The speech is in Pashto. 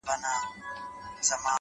o مجاهد د خداى لپاره دى لوېــدلى،